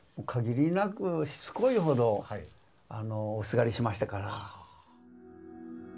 限りなくしつこいほどおすがりしましたから。